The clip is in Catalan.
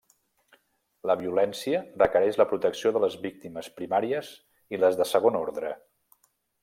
La violència requereix la protecció de les víctimes primàries i les de segon ordre.